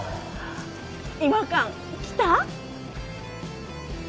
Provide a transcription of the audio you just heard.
違和感きた？